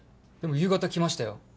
でも夕方来ましたよ。